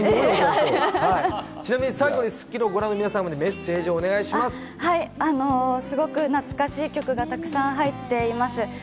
最後に『スッキリ』をご覧の皆さんにメッセージをすごく懐かしい曲がたくさん入っています。